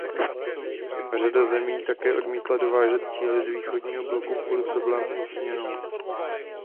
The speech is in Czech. Řada zemí také odmítala dovážet díly z východního bloku kvůli problémům s měnou.